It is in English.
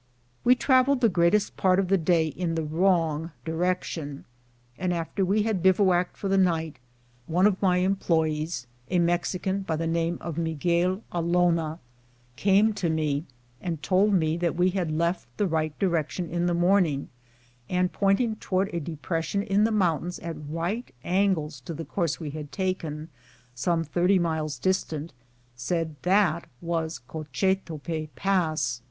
We traveled the greatest part of the day in the wrong di LOSING THE WAY. 237 rection ; and after we had bivouacked for the night, one of my employes, a Mexican by the name of Miguel Alona, came to me and told me that we had left the right direc tion in the morning, and, pointing toward a depression in the mountains at right angles to the course we had taken, some thirty miles distant, said that was the Cochetope Pass.